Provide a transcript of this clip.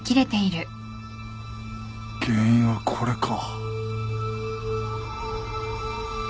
原因はこれか。